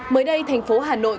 mới đây thành phố hà nội